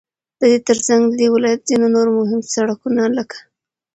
ددې ترڅنگ ددې ولايت ځينو نور مهم سړكونه لكه: